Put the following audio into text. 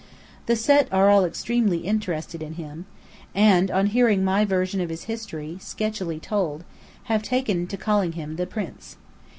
The Set are all extremely interested in him; and on hearing my version of his history, sketchily told, have taken to calling him "the prince."